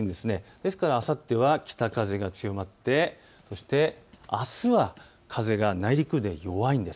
ですからあさっては北風が強まってあすは風が内陸部で弱いんです。